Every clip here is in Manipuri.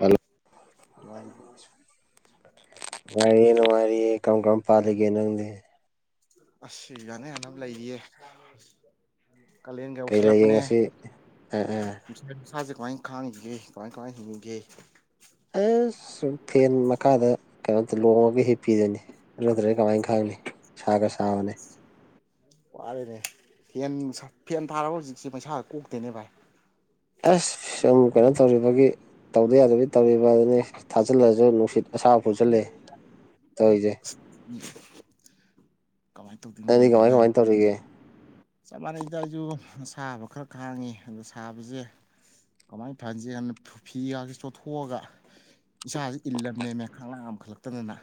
ꯍꯂꯣ ꯅꯨꯉꯥꯏꯔꯤꯕꫭ ꯅꯨꯡꯉꯥꯏꯔꯤ ꯅꯨꯡꯉꯥꯏꯔꯤꯌꯦ ꯀꯔꯝ ꯀꯔꯝꯝꯕ ꯄꯥꯜꯂꯤꯒꯦ ꯅꯪꯗꯤ ꯑꯁ ꯌꯥꯅ ꯌꯥꯅ ꯂꯩꯔꯤꯌꯦ ꯀꯥꯂꯦꯟꯒ ꯀꯩ ꯂꯩꯒꯦ ꯌꯥꯎꯁꯤꯜꯂꯛꯄꯅꯦ ꯉꯁꯤ ꯑꯥ ꯑꯥ ꯃꯁꯥꯁꯦ ꯀꯃꯥꯏꯅ ꯈꯥꯡꯉꯒꯦ ꯀꯃꯥꯏ ꯀꯃꯥꯏꯅ ꯍꯤꯡꯉꯒꯦ ꯑꯁꯨꯝ ꯐꯦꯟ ꯃꯈꯥꯗ ꯀꯩꯅꯣꯝꯇ ꯂꯣꯡꯉꯒ ꯍꯤꯞꯄꯤꯗꯣꯏꯅꯤ ꯅꯠꯇ꯭ꯔꯦ ꯀꯃꯥꯏꯅ ꯈꯪꯅꯤ ꯁꯥꯒ ꯁꯥꯕꯅꯦ ꯋꯥꯔꯦꯅꯦ ꯐꯦꯟ ꯐꯦꯟ ꯊꯥꯔꯕ ꯍꯧꯖꯤꯛꯁꯦ ꯄꯩꯁꯥꯒ ꯀꯣꯛꯇꯦꯅꯦ ꯚꯥꯏ ꯑꯦꯁ ꯁꯨꯝ ꯀꯩꯅꯣ ꯇꯧꯔꯤꯕꯒꯤ ꯇꯧꯗ ꯌꯥꯗꯕꯤꯗꯤ ꯇꯧꯔꯤꯕ ꯑꯗꯨꯅꯤ ꯊꯥꯖꯤꯜꯂꯁꯨ ꯅꯨꯡꯁꯤꯠ ꯑꯁꯥꯕ ꯐꯨꯁꯜꯂꯦ ꯇꯧꯔꯤꯁꯦ ꯎꯝ ꯀꯃꯥꯏ ꯇꯧꯗꯦ ꯑꯩꯗꯤ ꯀꯃꯥꯏ ꯀꯃꯥꯏ ꯇꯧꯔꯤꯒꯦ ꯆꯞ ꯃꯥꯟꯅꯩꯗ ꯑꯩꯁꯨ ꯁꯥꯕ ꯈꯔ ꯈꯥꯡꯉꯤ ꯑꯗ ꯁꯥꯕꯁꯦ ꯀꯃꯥꯏꯅ ꯐꯍꯟꯒꯦ ꯍꯥꯏꯅ ꯐꯤꯒꯥꯁꯦ ꯆꯣꯠꯊꯣꯛꯑꯒ ꯏꯁꯥꯁꯦ ꯏꯜꯂꯝꯕꯅꯦꯃꯦ ꯈꯥ ꯑꯃꯈꯜꯂꯛꯇꯗꯅ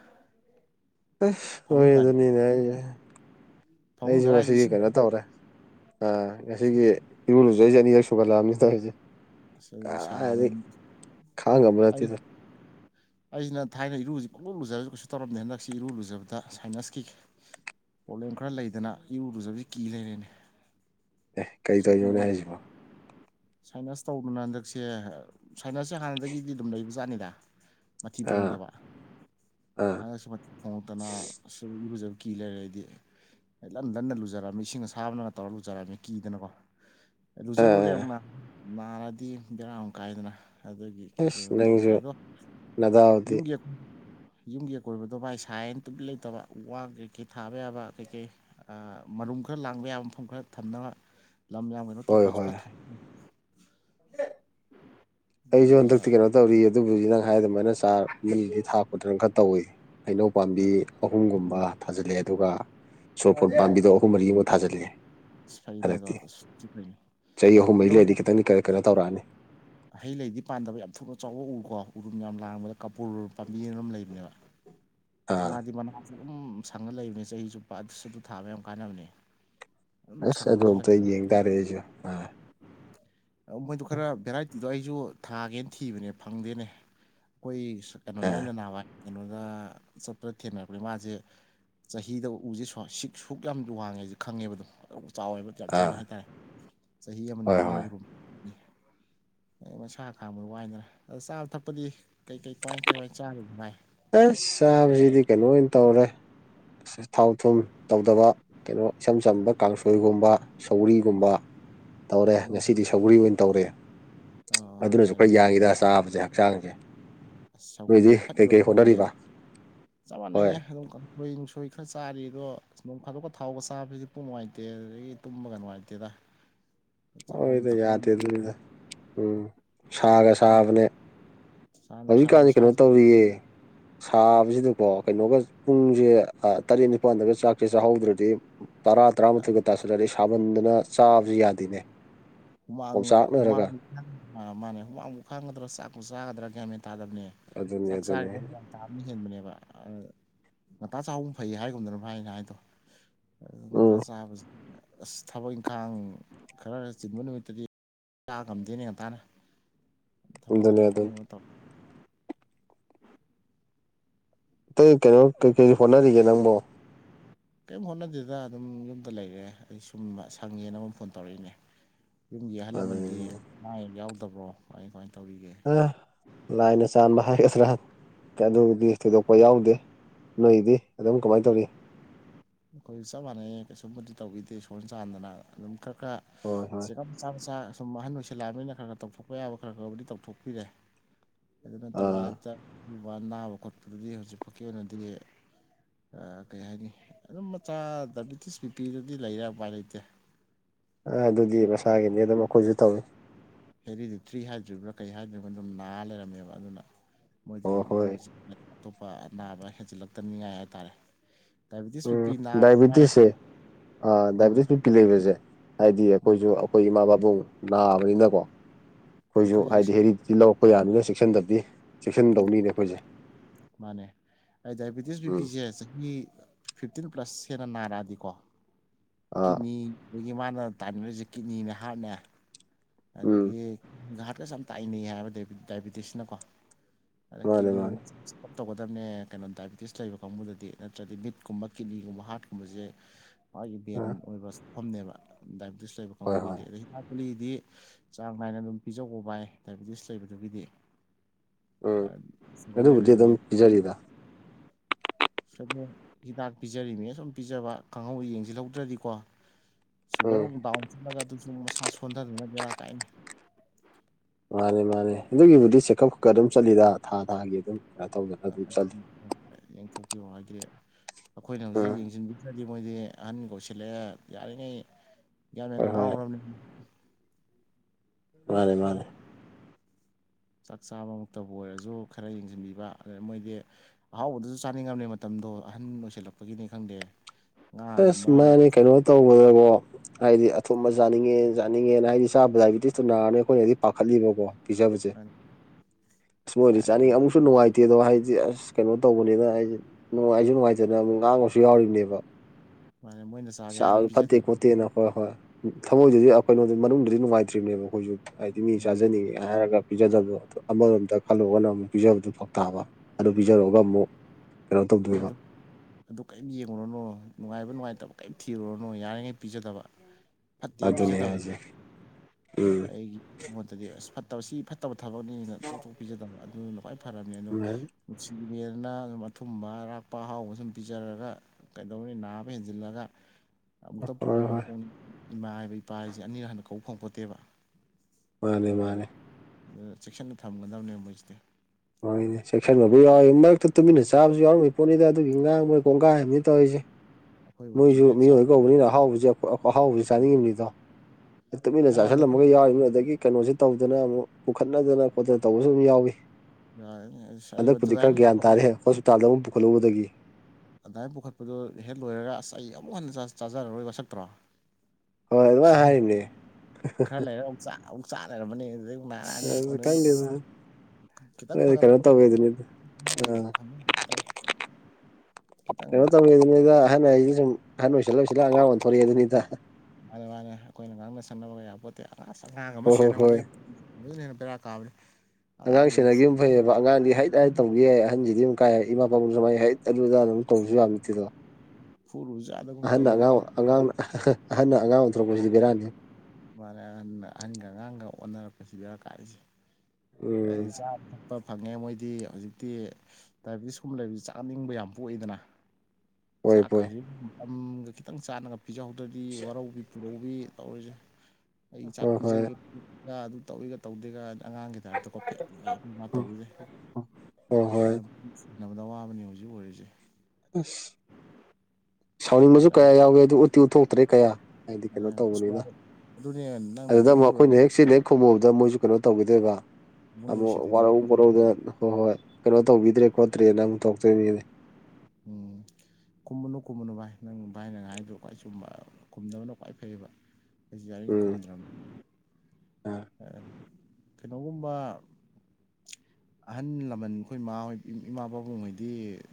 ꯑꯁ ꯍꯣꯏ ꯑꯗꯨꯅꯤꯅꯦ ꯑꯩꯁꯦ ꯑꯩꯁꯨꯦ ꯐꯃꯨꯡꯗꯒꯁꯤ ꯉꯁꯤꯒꯤ ꯏꯁꯤꯡ ꯀꯩꯅꯣ ꯇꯧꯔꯦ ꯑ ꯉꯁꯤꯒꯤ ꯏꯔꯨꯂꯨꯖꯩꯁ‌ꯦ ꯑꯅꯤꯔꯛ ꯁꯨꯒꯠꯂꯛꯑꯕꯅꯤꯗ ꯇꯧꯔꯤꯏꯁꯦ ꯑꯁ ꯑꯗꯨꯗꯤ ꯀꯔꯥꯏꯗꯩ ꯁꯥꯕꯅꯤ ꯈꯥꯡꯕ ꯉꯝꯕ ꯅꯠꯇ‌ꯦꯗ [inaudible] ꯑꯩꯁꯤꯅ ꯊꯥꯏꯅ ꯏꯔꯨꯁꯤ ꯄꯣꯛꯂꯞ ꯂꯨꯖꯔꯁꯨ ꯀꯩꯁꯨ ꯇꯧꯔꯝꯅꯤ ꯍꯟꯗꯛꯁꯤ ꯏꯔꯨ ꯂꯨꯖꯕꯗ ꯁꯥꯏꯅꯁꯀꯤ ꯄ꯭ꯔꯣꯕ꯭ꯂꯦꯝ ꯈꯔ ꯂꯩꯗꯅ ꯏꯔꯨꯖꯕꯁꯤ ꯀꯤ ꯂꯩꯔꯦꯅꯦ ꯑꯦ ꯀꯩ ꯇꯧꯔꯤꯅꯣꯅꯦ ꯍꯥꯏꯁꯤꯕꯣ ꯁꯥꯏꯅꯥꯁ ꯇꯧꯗꯅ ꯍꯟꯗꯛꯁꯦ ꯁꯥꯏꯅꯁꯁꯦ ꯍꯥꯟꯅꯗꯒꯤꯗꯤ ꯑꯗꯨꯝ ꯂꯩꯕꯖꯥꯠꯅꯤꯗ ꯃꯊꯤ ꯑꯥ ꯐꯣꯡꯗꯕ ꯑꯥ ꯗ ꯈꯪꯉꯛꯇꯅ ꯁꯒꯤ ꯐꯖꯕ ꯀꯤ ꯂꯩꯔꯦ ꯑꯩꯗꯤ ꯑꯩ ꯂꯟ ꯂꯟꯅ ꯂꯨꯖꯔꯝꯃꯤ ꯏꯁꯤꯡ ꯑꯁꯥꯕꯅ ꯇꯧꯔ ꯂꯨꯖꯔꯝꯃꯤ ꯀꯤꯗꯅꯀꯣ ꯂꯨꯖꯔꯨꯔꯦ ꯑꯥ ꯑꯃꯨꯅ ꯅꯥꯔꯗꯤ ꯕꯦꯔꯥ ꯀꯥꯏꯗꯅ ꯑꯗꯨꯒꯤ ꯑꯁ ꯅ ꯇꯧꯗ꯭ꯔꯦ ꯅꯪꯁꯨ ꯑꯗꯣ ꯅꯗꯥꯎꯗꯤ ꯌꯨꯝꯒꯤ ꯌꯨꯝꯒꯤ ꯑꯀꯣꯏꯕꯗꯣ ꯚꯥꯏ ꯁꯥꯏꯅ ꯇꯨꯂꯤ ꯂꯩꯇꯕ ꯎ ꯋꯥ ꯀꯩꯀꯩ ꯊꯥꯕ ꯌꯥꯕ ꯀꯩꯀꯩ ꯃꯔꯨꯝ ꯈꯔ ꯂꯥꯡꯕ ꯌꯥꯕ ꯃꯐꯝ ꯈꯔ ꯊꯝꯅꯕ ꯂꯝ ꯌꯥꯝ ꯀꯩꯅꯣ ꯍꯣꯏ ꯇꯧꯗ꯭ꯔꯁꯨ ꯍꯣꯏ ꯈꯔ ꯊꯝ [inaudible] ꯑꯩꯁꯨ ꯍꯟꯗꯛꯇꯤ ꯀꯩꯅꯣ ꯇꯧꯔꯤ ꯑꯗꯨꯕꯨꯖꯤ ꯅꯪ ꯍꯥꯏ ꯑꯗꯨꯃꯥꯏꯅ ꯆꯥꯔ ꯑꯃꯥꯅꯤꯗꯤ ꯊꯥꯛꯄꯗꯅ ꯈꯔ ꯇꯧꯏ ꯍꯩꯅꯧ ꯑ ꯄꯥꯝꯕꯤ ꯑꯍꯨꯝꯒꯨꯝꯕ ꯑꯥ ꯊꯥꯖꯤꯜꯂꯑꯦ ꯑꯗꯨꯒ ꯁꯣꯔ ꯐꯣꯟ ꯄꯥꯝꯕꯤꯗꯣ ꯑꯍꯨꯝ ꯃꯔꯤꯒꯨꯝꯕ ꯊꯥꯖꯜꯂꯦ ꯑꯁ ꯐꯩꯅꯦ ꯑꯗꯣ ꯍꯟꯗꯛꯇꯤ ꯑꯁ ꯊꯤ ꯐꯩꯅꯦ ꯆꯍꯤ ꯑꯍꯨꯝ ꯃꯔꯤ ꯑꯗꯨꯝ ꯂꯩꯔꯗꯤ ꯈꯤꯇꯪꯗꯤ ꯀꯩꯅꯣ ꯇꯧꯔꯛꯑꯅꯤ ꯍꯩ ꯂꯩꯗꯤ ꯄꯥꯟꯗꯕ ꯌꯥꯝ ꯊꯨꯅ ꯆꯥꯎꯕ ꯎꯔꯀꯣ ꯎꯔꯨꯝ ꯌꯥꯝ ꯂꯥꯡꯕꯅꯦ ꯀꯥꯄꯨꯔ ꯄꯥꯝꯕꯤ ꯑꯃ ꯂꯩꯕꯅꯦꯕ [inaudible] ꯑꯥ ꯃꯥꯗꯤ ꯃꯅꯥꯁꯨ ꯑꯗꯨꯝ ꯁꯪꯉ ꯂꯩꯕꯅꯤ ꯆꯍꯤ ꯆꯨꯞꯄ ꯑꯗꯨꯁꯨ ꯑꯗꯨ ꯊꯥꯕ ꯌꯥꯝ ꯀꯥꯟꯅꯕꯅꯦ ꯑꯗꯨꯝ ꯑꯁ ꯑꯗꯨ ꯁꯪꯉꯁꯨ ꯑꯝꯇ ꯂꯩꯕ ꯌꯦꯡ ꯇꯥꯔꯦ ꯑꯩꯁꯨ ꯑꯥ ꯃꯣꯏꯗꯣ ꯈꯔ ꯚꯦꯔꯥꯏꯇꯤꯗꯣ ꯑꯩꯁꯨ ꯊꯥꯒꯦꯅ ꯊꯤꯕꯅꯦ ꯐꯪꯗꯦꯅꯦ ꯑꯩꯈꯣꯏ ꯀꯩꯅꯣꯗ ꯑꯥ ꯑꯩꯅ ꯅꯍꯥꯟꯋꯥꯏ ꯀꯩꯅꯣꯗ ꯆꯠꯄꯗ ꯊꯦꯡꯅꯔꯛꯄꯅꯤ ꯃꯥꯁꯦ ꯆꯍꯤꯗ ꯎꯁꯦ ꯁꯤꯛ ꯁꯨꯛ ꯌꯥꯝ ꯋꯥꯡꯉꯦꯁꯦ ꯈꯪꯉꯦꯕꯗꯨꯝ ꯆꯥꯎꯋꯦꯕ ꯌꯥꯝ ꯑꯥ ꯊꯨꯅ ꯍꯥꯏꯇꯥꯔꯦ ꯆꯍꯤ ꯍꯣꯏ ꯑꯃꯅꯤꯗ ꯅꯣꯏ ꯍꯣꯏ ꯎꯔꯨꯝ ꯃꯩꯁ ꯈꯥꯡꯕ ꯋꯥꯏꯗꯅ ꯑꯗꯣ ꯆꯥꯕ ꯊꯛꯄꯗꯤ ꯀꯩ ꯀꯩ ꯀꯃꯥꯏ ꯀꯩꯃꯥꯏ ꯆꯥꯔꯤꯕ ꯚꯥꯢ ꯑꯁ ꯆꯥꯕꯁꯤꯗꯤ ꯀꯩꯅꯣ ꯑꯣꯏꯅ ꯇꯧꯔꯦ ꯊꯥꯎ ꯊꯨꯝ ꯇꯧꯗꯕ ꯀꯩꯅꯣ ꯏꯆꯝ ꯆꯝꯕ ꯀꯥꯡꯁꯣꯏꯒꯨꯝꯕ ꯑꯃ ꯁꯧꯒ꯭ꯔꯤꯒꯨꯝꯕ ꯇꯧꯔꯦ ꯑꯗꯨꯝ ꯐꯩ ꯉꯁꯤꯗꯤ ꯁꯧꯒ꯭ꯔꯤ ꯑꯣꯏꯅ ꯇꯧꯔꯦ ꯑꯣ ꯑꯗꯨꯅꯁꯨ ꯌꯥꯝ ꯈꯔ ꯌꯥꯝ ꯌꯥꯡꯉꯤꯗ ꯆꯥꯕꯁꯦ ꯍꯛꯆꯥꯡꯁꯦ ꯅꯣꯏꯗꯤ ꯀꯩꯀꯩ ꯍꯣꯠꯅꯔꯤꯕ ꯍꯣꯏ ꯆꯞꯃꯅꯩꯌꯦ ꯂꯣꯏ ꯅꯨꯡꯁꯣꯏ ꯈꯔ ꯆꯥꯔꯤ ꯑꯗꯣ ꯅꯣꯡ ꯐꯥꯗꯣꯛꯀ ꯊꯥꯎꯒ ꯆꯥꯕꯁꯤꯗꯤ ꯄꯨꯛ ꯅꯨꯡꯉꯥꯏꯇꯦ ꯑꯗꯨꯗꯒꯤ ꯇꯨꯝꯕꯒ ꯅꯨꯡꯉꯥꯏ ꯇꯦꯗ ꯍꯣꯏꯗ ꯌꯥꯗꯦ ꯑꯗꯨꯅꯤꯗ ꯎꯝ ꯁꯥꯒ ꯈꯪꯗꯦ ꯁꯥꯕꯅꯦ ꯅꯨꯡꯁꯥ ꯅꯨꯡꯁꯥ ꯍꯧꯖꯤꯛꯀꯥꯟꯁꯤ ꯀꯩꯅꯣ ꯃꯩꯁꯥꯁꯦ ꯇꯧꯔꯤꯌꯦ ꯁꯥꯕꯁꯤꯗꯀꯣ ꯀꯩꯅꯣꯒ ꯄꯨꯡꯁꯦ ꯇꯔꯦꯠ ꯅꯤꯄꯥꯜꯗꯒ ꯆꯥꯛꯁꯦ ꯆꯥꯍꯧꯗ꯭ꯔꯗꯤ ꯇꯔꯥ ꯇꯔꯥꯃꯊꯣꯢꯒ ꯇꯁꯤꯟꯂꯗꯤ ꯁꯃꯟꯗꯅꯥ ꯆꯥꯕꯖꯤ ꯌꯥꯗꯦꯅꯦ ꯍꯨꯃꯥꯡꯅ ꯑꯣꯝꯆꯥꯛꯅꯔꯒ ꯍꯨꯃꯥꯡ ꯃꯥꯅꯦ ꯍꯨꯃꯡꯕꯨ ꯈꯥꯡꯒꯗ꯭ꯔꯥ ꯆꯥꯛꯄꯨ ꯆꯥꯒꯗ꯭ꯔꯥ ꯒ꯭ꯌꯥꯟꯃꯦꯟ ꯊꯥꯗꯕꯅꯦ ꯑꯗꯨꯅꯤ ꯆꯥꯛ ꯑꯗꯨꯅꯤ ꯆꯥꯔꯤ ꯥ ꯀꯃ ꯍꯦꯟꯕꯅꯦꯕ ꯉꯡꯇ ꯆꯍꯧꯕꯅ ꯐꯩ ꯍꯥꯏꯒꯨꯝꯗꯅ ꯚꯥꯏꯅ ꯍꯥꯏꯗꯣ ꯑꯗꯨ ꯉꯟꯇꯥ ꯎꯝ ꯆꯥꯕ ꯑꯁ ꯊꯕꯛ ꯏꯪꯈꯥꯡ ꯈꯔ ꯆꯤꯟꯕ ꯅꯨꯃꯤꯠꯇꯗꯤ ꯆꯥ ꯉꯝꯗꯦꯅꯦ ꯉꯟꯇꯥꯅ ꯊꯕꯛ ꯑꯗꯨꯅꯤ ꯑꯗꯨꯅꯤ ꯏꯪꯈꯥꯡ ꯇꯣ ꯬꯬꯬ ꯀꯇꯩ ꯀꯩꯅꯣ ꯀꯩ ꯀꯩ ꯍꯣꯠꯅꯔꯤꯒꯦ ꯅꯪꯕꯣ ꯬꯬꯬ ꯀꯩꯝ ꯍꯣꯠꯅꯗꯦꯗ ꯑꯗꯨꯝ ꯌꯨꯝꯗ ꯂꯩꯔꯦ ꯑꯩ ꯁꯨꯝ ꯁꯪꯉꯦꯅ ꯅꯉꯣꯡꯗ ꯐꯣꯟ ꯇꯧꯔꯛꯏꯅꯦ ꯌꯨꯝꯒꯤ ꯑꯍꯜ ꯂꯃꯟꯗꯤ ꯑꯗꯨꯅꯤ ꯑꯅꯥ ꯑꯥꯌꯦ ꯌꯥꯎꯗꯕ꯭ꯔꯣ ꯀꯃꯥꯏ ꯀꯃꯥꯏ ꯇꯧꯔꯤꯒꯦ ꯂꯥꯏꯅ ꯆꯥꯟꯕ ꯍꯥꯏꯒꯗ꯭ꯔꯥ ꯑꯗꯨꯕꯨꯗꯤ ꯊꯣꯏꯗꯣꯛꯄ ꯌꯥꯎꯗꯦ ꯅꯣꯏꯗꯤ ꯑꯗꯨꯝ ꯀꯃꯥꯏꯅ ꯇꯧꯔꯤ ꯑꯩꯈꯣꯏ ꯆꯞ ꯃꯥꯟꯅꯩꯌꯦ ꯀꯩꯁꯨꯝꯕꯨꯗꯤ ꯇꯧꯕꯤꯗꯦ ꯏꯁꯣꯔꯅ ꯆꯥꯟꯗꯅ ꯑꯗꯨꯝ ꯈꯔ ꯈꯔ ꯍꯣꯏ ꯍꯣꯏ ꯆꯦꯒꯝ ꯃꯆꯥ ꯃꯆꯥ ꯁꯨꯝ ꯑꯍꯟ ꯑꯣꯏꯁꯤꯜꯂꯛꯑꯕꯅꯤꯅ ꯈꯔ ꯈꯔ ꯇꯧꯊꯣꯛꯄ ꯌꯥꯕ ꯈꯔ ꯈꯔꯕꯨꯗꯤ ꯇꯧꯊꯣꯛꯄꯤꯔꯦ ꯑꯗꯨꯅꯠꯇꯕꯥ ꯑꯥ ꯂꯨꯕ ꯑꯅꯥꯕ ꯈꯣꯠꯄꯗꯨꯗꯤ ꯍꯧꯖꯤꯛꯐꯥꯎꯒꯤ ꯑꯣꯏꯅꯗꯤ ꯑ ꯀꯔꯤ ꯍꯥꯏꯅꯤ ꯑꯗꯨꯝ ꯃꯆꯥ ꯗꯥꯏꯕꯤꯇꯤꯁ ꯕꯤꯄꯤꯕꯨꯗꯤ ꯂꯩꯌꯦ ꯎꯄꯥꯏ ꯂꯩꯇꯦ ꯑ ꯑꯗꯨꯗꯤ ꯃꯁꯥꯒꯤꯅꯤ ꯑꯗꯨꯝ ꯑꯩꯈꯣꯏꯁꯨ ꯇꯧꯏ ꯍꯦꯔꯤꯗꯨꯊ꯭ꯔꯤ ꯍꯥꯏꯗ꯭ꯔꯨꯕ꯭ꯔꯥ ꯀꯩ ꯍꯥꯏꯗꯣꯏꯅꯣ ꯑꯗꯨꯝ ꯅꯥꯔ ꯂꯩꯔꯝꯃꯦꯕ ꯑꯗꯨꯅ ꯃꯣꯏꯗꯨꯅ ꯑꯣ ꯃꯣꯏ ꯍꯣꯏ ꯍꯧꯖꯤꯛ ꯑꯇꯣꯞꯄ ꯑꯅꯥꯕ ꯍꯦꯟꯖꯤꯜꯂꯛꯇꯅꯤꯉꯥꯏ ꯍꯥꯏꯇꯥꯔꯦ ꯗꯥꯏꯕꯤꯇꯤꯁ ꯕꯤ ꯎꯝ ꯄꯤ ꯅꯥꯕꯁꯨ ꯌꯥꯏ ꯗꯥꯏꯕꯤꯇꯤꯁꯁꯦ ꯑ ꯎꯝ ꯗꯥꯕꯤꯇꯤꯁ ꯀꯤ ꯂꯩꯕꯁꯦ ꯍꯥꯏꯗꯤ ꯎꯝ ꯑꯩꯈꯣꯏꯁꯨ ꯑꯩꯈꯣꯏ ꯏꯃꯥ ꯕꯥꯕꯨꯡ ꯅꯥꯕꯅꯤꯅꯀꯣ ꯑꯩꯈꯣꯏꯁꯨ ꯃꯈꯣꯏꯁꯨ ꯍꯥꯏꯗꯤ ꯆꯦꯛꯁꯤꯟ ꯍꯦꯔꯤꯇꯦꯇꯤ ꯂꯧꯔꯛꯄ ꯌꯥꯅꯤꯅ ꯆꯦꯛꯁꯤꯟꯗꯕꯗꯤ ꯎꯝ ꯆꯦꯛꯁꯤꯟꯗꯧꯅꯤꯅꯦ ꯑꯩꯈꯣꯏꯁꯦ ꯃꯥꯅꯦ ꯍꯥꯏꯗꯤ ꯗꯥꯏꯕꯦꯇꯤꯁ ꯎꯝ ꯕꯤꯄꯤꯁꯦ ꯆꯍꯤ ꯐꯤꯐꯇꯤꯟ ꯄ꯭ꯂꯁ ꯍꯦꯟꯅ ꯅꯥꯔꯛꯑꯗꯤꯀꯣ ꯑꯥ ꯀꯤꯅꯤ ꯑꯗꯒꯤ ꯃꯥꯅ ꯇꯥꯅꯔꯤꯁꯦ ꯀꯤꯠꯅꯤꯅꯦ ꯍꯥꯔꯠꯅꯦ ꯎꯝ ꯑꯗꯒꯤ ꯒꯍꯥꯠꯀꯁꯨ ꯌꯥꯝ ꯇꯥꯛꯏꯅꯩ ꯍꯥꯏꯕ ꯗꯥꯏꯕꯦꯇꯤꯁꯅꯀꯣ ꯑꯗ ꯃꯥꯅꯦ ꯀꯤꯗꯅꯤ ꯃꯥꯅꯦ ꯒꯨꯝꯕ ꯞ ꯇꯧꯒꯗꯕꯅꯦ ꯀꯩꯅꯣ ꯗꯥꯏꯦꯇꯤꯁ ꯂꯩꯕ ꯀꯥꯡꯕꯨꯗꯗꯤ ꯅꯠꯇ꯭ꯔꯗꯤ ꯃꯤꯠꯀꯨꯝꯕ ꯀꯤꯠꯅꯤꯒꯨꯝꯕ ꯍꯥꯔꯠꯀꯨꯝꯕꯁꯦ ꯃꯥꯒꯤ ꯕꯦꯟ ꯑꯥ ꯑꯣꯏꯕ ꯁꯐꯝꯅꯦꯕ ꯗꯥꯏꯕꯦꯇꯤꯁ ꯂꯩꯕ ꯍꯣꯏ ꯍꯣꯏ ꯀꯥꯡꯕꯨꯒꯤꯗꯤ ꯑꯗ ꯍꯤꯗꯥꯛ ꯀꯨꯂꯤꯒꯤꯗꯤ ꯆꯥꯡ ꯅꯥꯏꯅ ꯑꯗꯨꯝ ꯄꯤꯖꯧꯀꫭ ꯕꯥꯏ ꯗꯥꯏꯄꯤꯇꯤꯁ ꯂꯩꯕꯗꯨꯒꯤꯗꯤ ꯎꯝ ꯑꯗꯨꯕꯨꯗꯤ ꯑꯗꯨꯝ ꯄꯤꯖꯔꯤꯗ [unintelligible] ꯁꯨꯝ ꯍꯤꯗꯥꯛ ꯄꯤꯖꯔꯤꯅꯦ ꯁꯨꯝ ꯄꯤꯖꯕ ꯈꯥꯡꯍꯧ ꯌꯦꯡꯁꯤꯜꯍꯧꯗ꯭ꯔꯗꯤꯀꯣ ꯁꯨꯒꯔ ꯎꯝ ꯑꯃꯨꯛ ꯗꯥꯎꯟ ꯆꯜꯂꯒ ꯑꯗꯨꯝꯁꯨ ꯃꯁꯥ ꯁꯣꯟꯊꯗꯨꯅ ꯕꯦꯔꯥ ꯀꯥꯏꯅꯤ ꯃꯥꯅꯦ ꯃꯥꯅꯦ ꯑꯗꯨꯒꯤꯕꯨꯗꯤ ꯆꯦꯛꯀꯞ ꯀ ꯑꯗꯨꯝ ꯆꯠꯂꯤꯗ ꯊꯥ ꯊꯥꯒꯤ ꯑꯗꯨꯝ ꯀꯩꯅꯣ ꯇꯧꯗꯅ ꯑꯗꯨꯝ ꯆꯠꯂꯤ ꯌꯦꯡꯊꯣꯛꯄꯤꯔꯣ ꯍꯥꯏꯗꯤ ꯑꯩꯈꯣꯏꯅ ꯍꯧꯖꯤꯛ ꯎꯝ ꯌꯦꯡꯁꯤꯟꯕꯤ ꯑꯗꯨꯗꯤ ꯃꯣꯏꯗꯤ ꯑꯍꯟꯒ ꯑꫭꯏꯁꯤꯜꯂꯛꯑꯦ ꯌꯥꯔꯤꯉꯩ ꯌꯥꯝ ꯌꯥꯝ ꯍꯣꯏ ꯍꯣꯏ ꯉꯥꯎꯔꯕꯅꯤ ꯃꯥꯅꯦ ꯃꯥꯅꯦ ꯆꯥꯛ ꯆꯥꯕꯃꯛꯇꯕꯨ ꯑꯣꯏꯔꯁꯨ ꯈꯔ ꯌꯦꯡꯁꯤꯟꯕꯤꯕ ꯑꯗꯨ ꯃꯣꯏꯗꯤ ꯑꯍꯥꯎꯕꯗꯁꯨ ꯆꯥꯅꯤꯡꯉꯝꯃꯦ ꯃꯇꯝꯗꯣ ꯑꯍꯟ ꯂꯣꯏꯁꯤꯜꯂꯛꯄꯒꯤꯅꯤ ꯈꯪꯗꯦ ꯑꯁ ꯉꯥꯒꯨꯝꯕ ꯃꯥꯅꯦ ꯀꯩꯅꯣ ꯇꯧꯕꯗꯕꯣ ꯍꯥꯏꯗꯤ ꯑꯊꯨꯝꯕ ꯆꯥꯅꯤꯡꯉꯦ ꯆꯥꯅꯤꯡꯉꯦꯅ ꯍꯥꯏꯗꯤ ꯆꯥꯕ ꯗꯥꯏꯕꯦꯇꯤꯁꯇꯨ ꯅꯥꯔꯅꯤ ꯑꯩꯈꯣꯏꯅꯗꯤ ꯄꯥꯈꯠꯂꯤꯕꯀꯣ ꯄꯤꯖꯕꯁꯦ ꯑꯁ ꯃꯣꯏꯗꯤ ꯆꯥꯒꯦꯅ ꯆꯥꯅꯤꯡꯉ ꯑꯃꯨꯛꯁꯨ ꯅꯨꯡꯉꯥꯏꯇꯦ ꯇꯦꯗꯣ ꯍꯥꯏꯗꯤ ꯑꯁ ꯀꯩꯅꯣ ꯇꯧꯕꯅꯤꯅ ꯑꯩꯁ ꯅꯨꯡꯉ ꯑꯩꯁꯨ ꯅꯨꯡꯉꯥꯏꯇꯅ ꯑꯃꯨꯛ ꯉꯥꯡꯉꯁꯨ ꯌꯥꯎꯔꯤꯕꯅꯦꯕ ꯃꯥꯅꯦ ꯃꯣꯏꯅ ꯆꯥꯒꯦ ꯍꯥꯏꯔ ꯆꯥꯎ ꯐꯠꯇꯦ ꯄꯤꯖꯗꯕꯗꯣ ꯈꫭꯠꯇꯦꯅꯣ ꯍꯣꯏ ꯍꯣꯏ ꯊꯃꯣꯏꯗꯗꯤ ꯑꯥ ꯀꯩꯅꯣꯗꯗꯤ ꯃꯅꯨꯡꯗꯗꯤ ꯅꯨꯡꯉꯥꯏꯇ꯭ꯔꯤꯕꯅꯦꯕ ꯑꯩꯈꯣꯏꯁꯨ ꯍꯥꯏꯗꯤ ꯃꯤ ꯎꯝ ꯆꯥꯖꯅꯤꯡꯉꯦ ꯍꯥꯏꯔꯒ ꯄꯤꯖꯗꯕꯣ ꯑꯃꯔꯣꯝꯗ ꯈꯜꯂꯨꯒꯅ ꯑꯃꯨꯛ ꯄꯤꯖꯕꯗꯨ ꯐꯥꯕ ꯇꯥꯕ ꯑꯗꯨ ꯄꯤꯖꯔꯒ ꯑꯃꯨꯛ ꯀꯩꯅꯣ ꯇꯧꯗꯨꯏꯕ ꯑꯗꯨ ꯑꯗꯨ ꯀꯔꯤꯝ ꯌꯦꯡꯉꯨꯔꯅꯨ ꯅꯨꯡꯉꯥꯏꯕ ꯅꯨꯡꯉꯥꯏꯇꯕ ꯀꯔꯤꯝ ꯊꯤꯔꯨꯔꯅꯣ ꯌꯥꯔꯤꯉꯩ ꯄꯤꯖꯗꯕ ꯐꯠꯇꯦ ꯑꯗꯨꯅꯦ ꯄꯤꯖꯗꯕ ꯍꯥꯏꯁꯦ ꯎꯝ ꯑꯩꯒꯤ ꯃꯣꯠꯇꯗꯤ ꯑꯁ ꯐꯠꯇꯕ ꯁꯤ ꯐꯠ- ꯇꯕ ꯊꯕꯛꯅꯤꯅ ꯇꯣꯛꯊꯣꯛꯄꯤꯒꯗꯕ ꯑꯗꯨꯅ ꯈ꯭ꯋꯥꯏ ꯐꯔꯝꯅꯦ ꯑꯗꯨꯝ ꯅꯨꯡꯁꯤꯔꯤꯅꯦꯅ ꯑꯗꯨꯝ ꯑꯊꯨ ꯕꯥ ꯑꯔꯥꯛꯄ ꯑꯍꯥꯎꯕ ꯁꯨꯝ ꯄꯤꯖꯔꯒ ꯀꯩꯗꯧꯅꯤ ꯅꯥꯕ ꯍꯦꯟꯖꯤꯜꯂꯒ ꯑꯃꯨꯛꯇ ꯄꯣꯛꯄ ꯍꯣꯏ ꯍꯣꯏ ꯃꯄꯣꯛꯅꯤ ꯏꯃꯥ ꯍꯥꯏꯕ ꯏꯄꯥ ꯍꯥꯏꯁꯦ ꯑꯅꯤꯔꯛ ꯍꯥꯟꯅ ꯀꯧ ꯐꯪꯄꯣꯠꯇꯦꯕ ꯃꯥꯅꯦ ꯃꯣꯏꯗꯣ ꯃꯥꯅꯦ ꯆꯦꯛꯁꯤꯟꯅ ꯊꯝꯒꯗꯕꯅꯦ ꯃꯣꯏꯁꯤꯗꯤ ꯍꯣꯏꯅꯦ ꯆꯦꯛꯁꯤꯟꯕꯕꯨ ꯌꯥꯎꯋꯦ ꯃꯔꯛꯇ ꯇꯨꯃꯤꯟꯅ ꯆꯥꯕꯁꯨ ꯌꯥꯎꯝꯃꯤ ꯄꯣꯠꯅꯤꯗ ꯑꯗꯨꯒꯤ ꯉꯥꯡꯕꯥ ꯀꯣꯡꯒꯥꯏ ꯑꯃꯅꯤ ꯇꯧꯔꯤꯁꯦ ꯑꯩꯈꯣꯏ ꯃꯣꯏꯁꯨ ꯎꯗ꯭ꯔꯤꯈꯩ ꯆꯥ ꯃꯤꯑꯣꯏ ꯀꯧꯕꯅꯤꯅ ꯑꯍꯥꯎꯕꯁꯦ ꯑꯍꯥꯎꯕꯁꯤ ꯆꯥꯅꯤꯡꯉꯤꯕꯅꯤꯗꯣ ꯇꯨꯃꯤꯟꯅ ꯍꯥꯏ ꯋꯥꯅꯤ ꯆꯥꯏꯁꯤꯜꯂꯝꯕꯒ ꯌꯥꯎꯔꯤꯅꯤ ꯑꯗꯥꯒꯤ ꯀꯩꯅꯣꯁꯦ ꯇꯧꯗꯅ ꯑꯃꯨꯛ ꯄꯨꯈꯠꯅꯗꯅ ꯈꯣꯠꯇꯅ ꯇꯧꯕꯁꯨ ꯑꯗꯨꯝ ꯌꯥꯎꯋꯤ ꯑꯩ ꯍꯟꯗꯛꯄꯨꯗꯤ ꯈꯔ ꯑꯗꯨꯃꯥꯏꯅ ꯒ꯭ꯌꯥꯟ ꯇꯥꯔꯦꯍꯦ ꯍꯣꯁꯄꯤꯇꯥꯜꯗ ꯑꯃꯨꯛ ꯄꯨꯈꯠꯂꯨꯕꯗꯒꯤ ꯑꯗꯨꯃꯥꯏꯅ ꯄꯨꯈꯠꯄꯗꯨꯣ ꯍꯦꯛ ꯂꯣꯏꯔꯒ ꯑꯁ ꯑꯩ ꯑꯃꯨꯛ ꯍꯟꯅ ꯆꯥꯖꯔꯔꯣꯏ ꯋꯥꯁꯛꯇ꯭ꯔꯣ ꯍꯣꯏ ꯑꯗꯨꯃꯥꯏꯅ ꯍꯥꯏꯔꯤꯕꯅꯦ ꯈꯔ ꯂꯩꯔꯥ ꯑꯃꯨꯛ ꯆꯥ ꯑꯃꯨꯛ ꯆꯥꯥ ꯂꯩꯔꯃꯅꯤ ꯑꯗꯨꯗꯩ ꯑꯗꯨ ꯈꯪꯗꯦꯗ [unintelligible] ꯈꯤꯇꯪ ꯅꯣꯏ ꯀꯩꯅꯣ ꯐꯒꯠꯂꯛꯄꯒ ꯇꯧꯋꯦꯗꯨꯅꯤꯗ ꯑ [unintelligible] ꯈꯤꯇꯪ ꯀꯩꯅꯣ ꯇꯧꯋꯦ ꯑꯗꯨꯅꯤꯗ ꯑꯍꯟ ꯍꯥꯏꯁꯦ ꯁꯨꯝ ꯑꯍꯟ ꯑꯣꯏꯁꯤꯜ ꯑꯣꯏꯁꯤꯜꯂ ꯑꯉꯥꯡ ꯑꯣꯟꯊꯣꯔꯛꯑꯦ ꯑꯗꯨꯅꯤꯗ ꯃꯥꯅꯦ ꯃꯥꯅꯦ ꯑꯩꯈꯣꯏꯅ ꯉꯥꯡꯅ ꯁꯛꯅꯕ ꯌꯥ ꯄꯣꯠꯇꯦ ꯑꯁ ꯑꯉꯥꯡ ꯑꯃ ꯍꯣꯏ ꯍꯣꯏ ꯍꯣꯏ ꯁꯦꯟꯅꯕꯗꯒꯤ ꯃꯗꯨꯅ ꯍꯦꯟꯅ ꯕꯦꯔꯥ ꯀꯥꯕꯅꯦ ꯑꯉꯥꯡ ꯁꯦꯟꯅꯈꯤꯕꯅ ꯐꯩꯌꯦꯕ ꯑꯉꯥꯡꯗꯤ ꯍꯩꯠ ꯍꯥ ꯇꯧ ꯌꯥꯏ ꯑꯍꯟꯁꯤꯗꯤ ꯀꯥꯏ ꯏꯃꯥ ꯄꯥꯕꯨꯡꯗ ꯀꯃꯥꯏꯅ ꯍꯩꯠ ꯑꯗꯨꯗ ꯑꯗꯥ ꯑꯗꯨꯃꯨꯛ ꯇꯧꯕꯁꯨ ꯌꯥꯕ ꯅꯠꯇꯦꯗꫭ ꯐꯨꯔꯨꯕꯖꯥꯠꯂꯒꯨꯝ ꯑꯍꯟ ꯇꯧ ꯑꯗꯨꯅꯤ ꯑꯉꯥꯡ ꯑꯉꯥꯡꯅ ꯑꯍꯟꯅ ꯑꯉꯥꯡ ꯑꯣꯟꯊꯣꯔꯛꯄꯁꯤꯗꯤ ꯕꯦꯔꯥꯅꯤꯍꯦ ꯃꯥꯅꯦ ꯑꯍꯟꯒ ꯑꯉꯥꯡꯒ ꯑꯣꯟꯅꯔꯛꯄꯁꯤ ꯕꯦꯔꯥ ꯀꯥꯏꯁꯦ ꯎꯝ ꯑꯩ ꯆꯥꯕ ꯊꯛꯄ ꯐꯪꯉꯦ ꯃꯣꯏꯗꯤ ꯍꯧꯖꯤꯛꯇꯤ ꯗꯥꯏꯕꯦꯇꯤꯁꯀꯨꯝꯕ ꯂꯩꯕꯁꯤ ꯆꯥꯅꯤꯡꯕ ꯌꯥꯝ ꯄꯣꯛꯏꯗꯅ ꯍꯣꯏ ꯆꯥꯛ ꯍꯣꯏ ꯀꯁꯤ ꯃꯇꯝꯒ ꯈꯤꯇꯪ ꯆꯥꯅꯒ ꯄꯤꯖꯍꯧꯗ꯭ꯔꯗꯤ ꯋꯥꯔꯧꯕꯤ ꯄꯨꯔꯧ- ꯕꯤ ꯇꯧꯔꯤꯁꯦ ꯑꯩ ꯆꯥꯛ ꯍꯣꯏ ꯍꯣꯏ ꯄꯤꯖꯩꯒ ꯑꯗꯨ ꯇꯧꯋꯤꯒ ꯇꯧꯗꯦꯒ ꯑꯉꯥꯡꯒꯤ ꯇꯥꯏꯕ ꯇꯀꯣ ꯐꯦꯠ ꯐꯥ ꯌꯥꯝ ꯃꯥ ꯇꯧꯁꯦ ꯍꯣꯏ ꯍꯣꯏ ꯑꯥ ꯅꯕꯗ ꯑꯋꯥꯕꯅꯤ ꯍꯧꯖꯤꯛ ꯑꯣꯏꯔꯤꯁꯦ ꯑꯁ ꯁꯥꯎꯅꯤꯡꯕꯁꯨ ꯀꯌꯥ ꯌꯥꯎꯋꯦ ꯑꯗꯨ ꯎꯠꯇꯤ ꯎꯊꯣꯛꯇ꯭ꯔꯦ ꯀꯌꯥ ꯍꯥꯏꯗꯤ ꯀꯩꯅꯣ ꯇꯧꯕꯅꯤꯅ ꯁꯨꯃꯥꯏ ꯑꯗꯨꯅꯦ ꯅꯪꯅ ꯑꯗꯨꯗ ꯑꯗꯨ ꯑꯃꯨꯛ ꯎꯠꯂꯨꯔ ꯑꯩꯈꯣꯏꯅ ꯍꯦꯛ ꯆꯤꯜ ꯍꯦꯛ ꯈꯨꯝꯃꯨꯕꯗ ꯃꯣꯏꯁꯨ ꯀꯩꯅꯣ ꯇꯧꯈꯤꯗꯣꯏꯕ ꯄꯨꯛꯅꯤꯡ ꯑꯃꯨꯛ ꯅꯨꯡꯁꯤꯗꯣꯏꯅꯤ ꯋꯥꯔꯧ ꯄꯨꯔꯧꯗꯅ ꯍꯣꯏ ꯍꯣꯏ ꯀꯩꯅꯣ ꯇꯧꯕꯤꯗ꯭ꯔꯦ ꯈꯣꯠꯇ꯭ꯔꯦꯅ ꯑꯃꯨꯛ ꯇꯧꯗꯣꯏꯅꯤꯅꯦ ꯎꯝ ꯈꯨꯝꯃꯨꯅꯨ ꯈꯨꯝꯃꯨꯅꯨ ꯚꯥꯏ ꯅꯪ ꯚꯥꯏ ꯅꯪ ꯍꯥꯏꯗꯨ ꯈ꯭ꯋꯥꯏ ꯆꯨꯝꯕ ꯈꯨꯝꯗꯕꯅ ꯈ꯭ꯋꯥꯏ ꯐꯩꯌꯦꯕ ꯑꯩꯁꯨ ꯌꯥꯔꯤꯉꯩ ꯎꯝ ꯈꯨꯝꯗ꯭ꯔꯕꯅꯤ ꯑ ꯑꯦ ꯀꯩꯅꯣꯒꯨꯝꯕ ꯑꯍꯜ ꯂꯃꯟ ꯑꯩꯈꯣꯏ ꯃꯥꯍꯣꯏ ꯏꯃꯥ ꯏꯃꯥ ꯄꯥꯕꯨꯡ ꯍꯣꯏꯗꯤ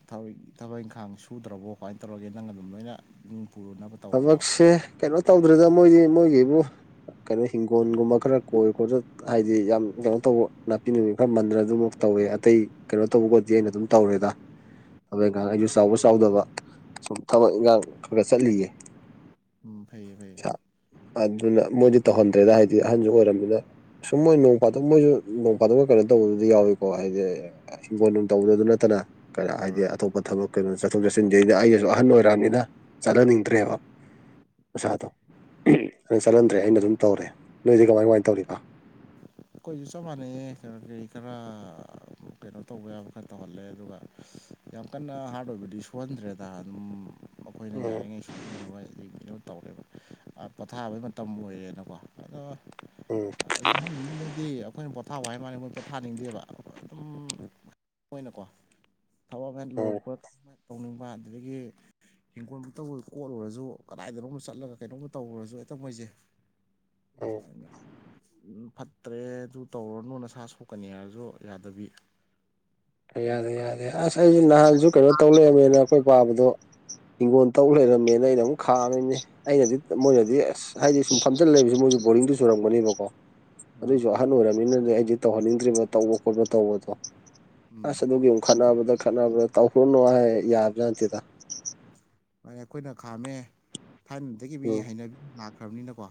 ꯊꯕꯛ ꯊꯕꯛ ꯏꯪꯈꯥꯡ ꯁꯨꯗ꯭ꯔꯕꯣ ꯀꯃꯥꯏꯅ ꯇꯧꯔꯒꯦ ꯅꯪ ꯑꯗꯨꯝ ꯂꯣꯏꯅ ꯌꯨꯝ ꯄꯨꯔꯨꯅꯕ ꯊꯕꯛꯁꯦ ꯀꯩꯅꯣ ꯇꯧꯗ꯭ꯔꯦꯗ ꯃꯣꯏꯗꯤ ꯃꯣꯏꯒꯤ ꯍꯥꯏꯕꯨ ꯀꯩꯅꯣ ꯍꯤꯡꯒꯣꯜꯒꯨꯝꯕ ꯈꯔ ꯀꯣꯏ ꯈꯣꯠꯇ ꯍꯥꯏꯗꯤ ꯌꯥꯝ ꯀꯩꯅꯣ ꯇꯧꯕ ꯅꯥꯄꯤ ꯅꯨꯪꯕꯤ ꯈꯔ ꯃꯟꯗꯅ ꯑꯗꯨꯕꯧ ꯇꯧꯔꯤ ꯑꯇꯩ ꯀꯩꯅꯣ ꯇꯧꯕꯒꯣꯗꯤ ꯑꯩꯅ ꯑꯗꯨꯝ ꯇꯧꯔꯦꯗ ꯊꯕꯛ ꯏꯪꯈꯥꯡ ꯑꯣ ꯑꯩꯁꯨ ꯆꯥꯎꯕ ꯆꯥꯎꯗꯕ ꯁꯨꯝ ꯊꯕꯛ ꯏꯟꯈꯥꯡ ꯈꯔ ꯆꯠꯂꯤꯌꯦ ꯎꯝ ꯐꯩꯌꯦ ꯐꯩꯌꯦ [unintelligible] ꯑꯗꯨꯅ ꯃꯣꯏꯗꯤ ꯇꯧꯍꯟꯗ꯭ꯔꯦꯗ ꯍꯥꯏꯗꯤ ꯑꯍꯟꯁꯨ ꯑꯣꯏꯔꯝꯅꯤꯅ ꯁꯨꯝ ꯃꯣꯏ ꯅꯣꯡ ꯐꯥꯗꯣꯛ ꯃꯣꯏꯁꯨ ꯅꯣꯡ ꯐꯥꯗꯣꯛ ꯀꯩꯅꯣ ꯇꯧꯕꯗꯨꯗꯤ ꯌꯥꯎꯋꯤꯀꯣ ꯍꯥꯏꯗꯤ ꯍꯤꯡꯒꯣꯜꯅꯨꯡ ꯇꯧꯕꯗꯗꯨ ꯅꯠꯇꯅ ꯀꯩꯅꯣ ꯍꯥꯏꯗꯤ ꯑꯇꯣꯞꯄ ꯊꯕꯛ ꯀꯩꯅꯣ ꯆꯠꯊꯣꯛ ꯆꯠꯁꯤꯟꯗ ꯑꯩꯈꯣꯏꯁꯨ ꯑꯩꯩꯅꯁꯨ ꯑꯍꯟ ꯑꯣꯏꯔꯛꯑꯕꯅꯤꯅ ꯆꯠꯍꯟꯅꯤꯡꯗ꯭ꯔꯦꯕ ꯃꯁꯥꯗꯣ ꯑꯩꯅ ꯆꯠꯍꯟꯗ꯭ꯔꯦ ꯑꯩꯅ ꯑꯗꯨꯝ ꯇꯧꯔꯦ ꯅꯣꯏꯗꯤ ꯀꯃꯥꯏ ꯀꯃꯥꯏꯅ ꯇꯧꯔꯤꯕ ꯑꯩꯈꯣꯏꯁꯨ ꯆꯞ ꯃꯅꯩꯌꯦ ꯀꯩꯅꯣꯒꯤ ꯈꯔ ꯀꯩꯅꯣ ꯇꯧꯕ ꯌꯥꯕ ꯈꯔ ꯇꯧꯍꯜꯂꯦ ꯑꯗꯨꯒ ꯌꯥꯝ ꯀꯟꯅ ꯍꯥꯔꯗ ꯑꯣꯏꯕꯗꯤ ꯁꯣꯛꯍꯟꯗ꯭ꯔꯦꯗ ꯑꯗꯨꯝ ꯃꯈꯣꯏꯅ ꯎꯝ ꯌꯥꯔꯤꯉꯩꯁꯤ ꯗꯒꯤ ꯀꯩꯅꯣ ꯇꯧꯔꯦꯕ ꯄꯣꯊꯥꯕꯩ ꯃꯇꯝ ꯑꯣꯏꯔꯦꯅꯀꯣ ꯑꯗꯣ ꯎꯝ ꯑꯗꯨ ꯗꯤ ꯑꯩꯈꯣꯏꯅ ꯄꯣꯊꯥꯕ ꯍꯥꯏꯕ ꯋꯥꯅꯦ ꯃꯣꯏ ꯄꯣꯊꯥꯅꯤꯡꯗꯦꯕ ꯑꯗꯨꯝ ꯃꯣꯏꯅꯀꯣ ꯊꯕꯛꯃ ꯍꯦꯛ ꯎꯝ ꯂꯣꯏꯔꯛꯄꯒ ꯇꯧꯅꯤꯡꯕ ꯑꯗꯨꯗꯒꯤ ꯍꯤꯡꯒꯣꯜꯕꯨ ꯇꯧꯕ ꯀꯣꯠꯂꯨꯔꯁꯨ ꯀꯗꯥꯏꯗꯅꯣꯝ ꯆꯠꯂꯒ ꯀꯩꯅꯣꯝꯃ ꯇꯧꯔꯨꯔꯁꯨ ꯍꯦꯛꯇ ꯃꯣꯏꯁꯦ ꯎꯝ ꯎ ꯐ ꯇ꯭ꯔꯦ ꯑꯗꯨ ꯇꯧꯔꯅꯨ ꯅꯁꯥ ꯁꯣꯛꯀꯅꯤ ꯍꯥꯏꯔꯁꯨ ꯌꯥꯗꯕꯤ ꯍꯦꯛꯇ ꯌꯥꯗꯦ ꯀꯠ ꯌꯥꯗꯦ ꯑꯁ ꯑꯩꯁꯦ ꯅꯍꯥꯟꯁꯨ ꯀꯩꯅꯣ ꯇꯧ ꯂꯩꯔꯝꯃꯦꯅ ꯑꯩꯈꯣꯏ ꯄꯥꯕꯗꯣ ꯍꯤꯡꯒꯣꯜ ꯇꯧ ꯂꯩꯔꯝꯃꯦꯅ ꯑꯩꯅ ꯑꯃꯨꯛ ꯈꯥꯝꯃꯤꯅꯦ ꯑꯩꯅꯗꯤ ꯃꯣꯏꯅꯗꯤ ꯑꯁ ꯍꯥꯏꯗꯤ ꯁꯨꯝ ꯐꯝꯖꯤꯜꯂ ꯂꯩꯕꯁꯦ ꯃꯣꯏꯁꯨ ꯕꯣꯔꯤꯡ ꯆꯨꯁꯜꯄꯥꯒꯤꯀꯣ ꯑ ꯑꯗꯨꯑꯣꯏꯁꯨ ꯑꯍꯜ ꯑꯣꯏꯔꯕꯅꯤꯅꯅꯦ ꯑꯩꯁꯦ ꯇꯧꯍꯟꯅꯤꯡꯗ꯭ꯔꯤꯕ ꯇꯧꯕ ꯈꯣꯠꯄ ꯇꯧꯕꯗꯣ ꯎꯝ ꯑꯁ ꯑꯗꯨꯒꯤ ꯑꯃꯨꯛ ꯈꯠꯅꯕꯗ ꯈꯠꯅꯕꯗ ꯇꯧꯔꯨꯅꯨ ꯍꯥꯏ ꯌꯥꯕꯖꯥꯠ ꯅꯠꯇꯦꯗ ꯃꯥ ꯑꯩꯈꯣꯏꯅ ꯈꯥꯝꯃꯦ ꯊꯥꯏꯅꯗꯒꯤ ꯃꯤ ꯎꯝ ꯍꯩꯅꯕꯤ ꯂꯥꯛꯈ꯭ꯔꯕꯅꯤꯅꯀꯣ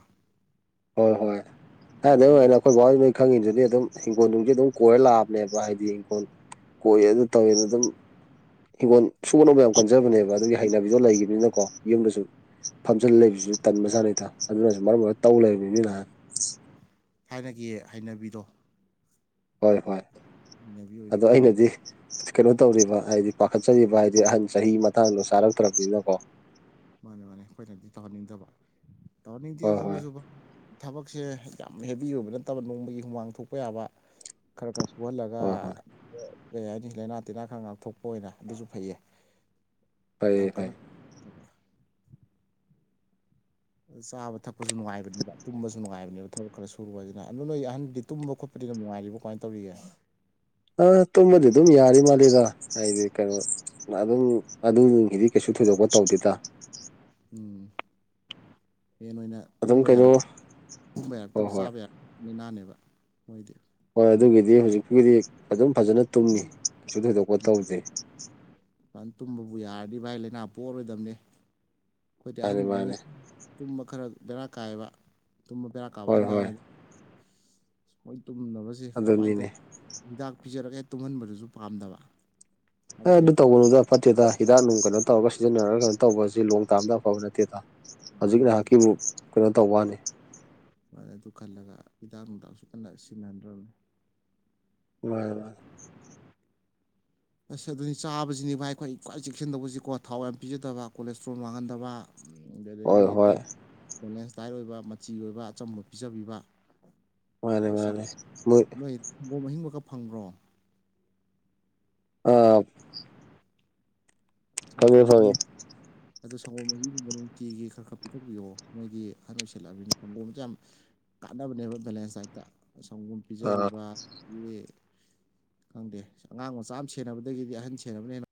ꯍꯣꯏ ꯍꯣꯏ ꯊꯥꯏꯅꯗꯩꯩ ꯇꯧꯔꯅꯨ ꯑꯣꯏꯅ ꯑꯩ ꯕꯥ ꯍꯣꯏ ꯈꯪꯉꯤꯗꯨꯅꯤ ꯑꯗꯨꯝ ꯍꯤꯡꯒꯣꯜꯅꯨꯡꯗꯤ ꯑꯗꯨꯝ ꯀꯣꯏꯔ ꯂꯥꯛꯑꯕꯅꯦꯕ ꯍꯥꯏꯗꯤ ꯍꯤꯡꯈꯣꯜ ꯀꯣꯏ ꯑꯗꯨ ꯇꯧꯋꯦꯅ ꯑꯗꯨꯝ ꯍꯤꯡꯒꯣꯜ ꯁꯨꯕ ꯅꯣꯝꯕ ꯌꯥꯝ ꯀꯟꯖꯕꯅꯦꯕ ꯑꯗꯨꯒꯤ ꯍꯩꯅꯕꯤꯁꯨ ꯂꯩꯈꯤꯕꯅꯤꯅꯀꯣ ꯌꯨꯝꯗꯁꯨ ꯐꯝꯖꯜꯂ ꯂꯩꯕꯁꯤꯁꯨ ꯇꯟꯕ ꯖꯥꯠꯅꯤꯗ ꯑꯗꯨꯅꯁꯨ ꯃꯔꯝ ꯑꯣꯏꯔꯒ ꯇꯧ ꯂꯩꯔꯝꯃꯤꯅꯤ ꯅꯍꯥꯟ ꯊꯥꯏꯅꯒꯤ ꯍꯩꯅꯕꯤꯗꯣ ꯍꯣꯏ ꯍꯣꯏ ꯍꯩꯅꯕꯤ ꯑꯣꯏꯒꯦ ꯑꯗꯣ ꯇꯧꯔꯤꯅꯤ ꯑꯩꯅꯗꯤ ꯀꯩꯅꯣ ꯇꯧꯔꯤꯕ ꯍꯥꯏꯗꯤ ꯄꯥꯈꯠꯆꯔꯤꯕ ꯍꯥꯏꯗꯤ ꯑꯍꯟ ꯆꯍꯤ ꯃꯇꯥꯡꯗꯣ ꯆꯥꯔꯛꯇ꯭ꯔꯕꯅꯤꯅꯀꯣ ꯃꯥꯅꯦ ꯃꯥꯅꯦ ꯑꯩꯈꯣꯏꯅꯗꯤ ꯇꯧꯍꯟꯅꯤꯡꯗꯕ ꯇꯧꯍꯟꯅꯤꯡꯗꯦ ꯍꯣꯏ ꯍꯣꯏ ꯑꯗꯨꯅꯁꯨꯕ ꯊꯕꯛꯁꯦ ꯌꯥꯝ ꯍꯦꯕꯤ ꯑꯣꯏꯕ ꯅꯠꯇꯕ ꯅꯣꯡꯃꯒꯤ ꯍꯨꯃꯥꯡ ꯊꯣꯛꯄ ꯌꯥꯕ ꯈꯔ ꯈꯔ ꯁꯨꯍꯜꯂꯒ ꯍꯣꯏ ꯍꯣꯏ ꯀꯩ ꯍꯥꯏꯅꯤ ꯂꯩꯅꯥ ꯇꯤꯟꯅꯥ ꯈꯔ ꯉꯥꯛꯊꯣꯛꯄ ꯑꯣꯏꯅ ꯑꯗꯨꯁꯨ ꯐꯩꯌꯦ ꯌꯥꯝ ꯐꯩꯌꯦ ꯀꯟꯅ ꯐꯩ ꯆꯥꯕ ꯊꯛꯄꯁꯨ ꯅꯨꯡꯉꯥꯏꯕꯅꯦꯕ ꯇꯨꯝꯕꯁꯨ ꯅꯨꯡꯉꯥꯏꯕꯅꯦꯕ ꯊꯕꯛ ꯈꯔ ꯁꯨꯔꯨ ꯍꯥꯏꯁꯤꯅ ꯑꯗꯨꯣ ꯅꯣꯏ ꯑꯍꯟꯗꯤ ꯇꯨꯝꯕ ꯈꯣꯠꯄ ꯐꯗꯤꯒ ꯅꯨꯡꯉꯥꯏꯔꯤꯕ ꯀꯃꯥꯏꯅ ꯇꯧꯔꯤꯒꯦ ꯑ ꯇꯨꯝꯃꯗꯤ ꯑꯗꯨꯝ ꯌꯥꯔꯤ ꯃꯥꯜꯂꯤꯗ ꯍꯥꯏꯗꯤ ꯀꯩꯅꯣ ꯑꯗꯨꯝ ꯑꯗꯨꯒꯤꯗꯤ ꯀꯩꯁꯨ ꯊꯣꯏꯗꯣꯛꯄ ꯇꯧꯗꯦꯗ ꯎꯝ ꯍꯦꯟ ꯑꯣꯏꯅ ꯑꯗꯨꯝ ꯇꯨꯝꯕ ꯌꯥꯔ ꯀꯩꯅꯣ ꯇꯨꯝꯕ ꯍꯣꯏ ꯌꯥꯔꯛꯇꯕ ꯍꯣꯏ ꯆꯥꯕ ꯌꯥꯔꯛꯇꯕ ꯃꯤꯅꯥꯅꯦꯕ ꯃꯣꯏꯗꯤ ꯍꯣꯏ ꯑꯗꯨꯒꯤꯗꯤ ꯍꯧꯖꯤꯛꯒꯤꯗꯤ ꯑꯗꯨꯝ ꯐꯖꯅ ꯇꯨꯝꯃꯤ ꯀꯩꯁꯨ ꯊꯣꯏꯗꯣꯛꯄ ꯇꯧꯗꯦ ꯐꯟ ꯇꯨꯝꯕꯕꯨ ꯌꯥꯔꯗꯤ ꯚꯥꯏ ꯂꯥꯏꯅꯥ ꯄꯣꯛꯑꯔꯣꯏꯗꯕꯅꯦ ꯑꯩꯈꯣꯏꯗꯤ ꯃꯥꯅꯤ ꯑꯍꯟꯗꯨꯉꯩ ꯃꯥꯅꯤ ꯇꯨꯝꯕ ꯈꯔ ꯕꯦꯔꯥ ꯀꯥꯏꯑꯕ ꯇꯨꯝꯕ ꯕꯦꯔꯥ ꯍꯣꯏ ꯀꯥꯕꯍꯟ ꯍꯣꯏ ꯌꯥꯎꯩꯗ ꯃꯣꯏ ꯇꯨꯝꯅꯕꯁꯦ ꯀꯃꯥꯏꯅ ꯑꯗꯨꯅꯤꯅꯦ ꯇꯧꯋꯤ ꯍꯤꯗꯥꯛ ꯄꯤꯖꯔꯒꯦ ꯇꯨꯡꯍꯟꯕꯗꯨꯁꯨ ꯄꯥꯝꯗꯕ ꯁꯥꯏꯠ ꯑꯗꯨ ꯏꯐꯦꯛꯇꯣ ꯇꯧꯕꯅꯨꯗ ꯐꯠꯇꯦꯗ ꯍꯤꯗꯥꯛ ꯅꯨꯡ ꯀꯩꯅꯣ ꯇꯧꯔꯒ ꯁꯤꯖꯤꯟꯅꯔꯒ ꯀꯩꯅꯣ ꯇꯧꯕꯁꯤ ꯂꯣꯡ ꯇꯥꯔꯝꯗ ꯑꯐꯕ ꯅꯠꯇꯦꯗ ꯍꯧꯖꯤꯛ ꯑꯗꯨꯒꯤ ꯉꯥꯏꯍꯥꯛꯀꯤꯕꯨ ꯀꯩꯅꯣ ꯇꯧꯕꯅꯤ ꯑꯗꯨꯃꯥꯏꯅ ꯑꯗꯨ ꯈꯜꯂꯒ ꯍꯤꯗꯥꯛ ꯅꯨꯡꯗꯁꯨ ꯀꯟꯅ ꯁꯤꯖꯤꯟꯅꯍꯟꯗ꯭ꯔꯕꯅꯤ ꯃꯥꯔ ꯃꯥ ꯑꯁ ꯑꯗꯨꯅꯤ ꯆꯥꯕꯁꯤꯅꯤ ꯚꯥꯏ ꯑꯩꯈꯣꯏ ꯑꯩ ꯈ꯭ꯋꯥꯏ ꯆꯦꯛꯁꯤꯟꯗꯧꯕꯁꯤꯀꯣ ꯊꯥꯎ ꯌꯥꯝ ꯄꯤꯖꯗꯕ ꯀꯣꯂꯦꯁꯇ꯭ꯔꯣꯜ ꯃꯡꯍꯟꯗꯕ ꯎꯝ ꯍꯣꯏ ꯗꯗꯒꯤ ꯇ ꯍꯣꯏ ꯇꯥꯏꯠ ꯑꯣꯏꯕ ꯃꯆꯤ ꯑꯣꯏꯕ ꯑꯆꯝꯕ ꯄꯤꯖꯕꯤꯕꯣꯏ ꯃꯥꯅꯤ ꯃꯥꯅꯤ ꯃꯣꯏ ꯍꯪꯕꯣ ꯑꯍꯤꯡ ꯃ ꯈꯛ ꯐꯪꯕ꯭ꯔꯣ ꯑ ꯍꯪꯒꯣ ꯐꯪꯉꯦ ꯃꯍ ꯐꯪꯉꯦ ꯑꯗꯣ ꯁꯪꯒꯣꯝꯒꯤꯕ ꯅꯨꯡꯇꯤꯒꯤ ꯈꯔ ꯈꯔ ꯄꯤꯊꯣꯛꯄꯤꯌꯣ ꯃꯣꯏꯒꯤ ꯑꯍꯟ ꯑꯣꯏꯁꯜꯂꯛꯑꯕꯅꯤꯅ ꯁꯪꯒꯣꯝꯁꯦ ꯌꯥꯝ ꯀꯥꯟꯅꯕꯅꯦꯕ ꯕꯦꯂꯦꯟꯁ ꯗꯥꯏꯠꯇ ꯁꯝꯒꯣꯝ ꯑꯥ ꯄꯤꯖꯕꯤꯕꯗꯒꯤ ꯈꯪꯗꯦ ꯑꯉꯥꯡ ꯃꯆꯥ ꯑꯃ ꯁꯦꯟꯅꯕꯗꯒꯤꯗꯤ ꯑꯍꯟ ꯁꯦꯟꯅꯕꯅꯦꯅ